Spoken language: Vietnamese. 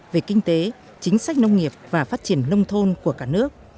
về kinh tế chính sách nông nghiệp và phát triển nông thôn của cả nước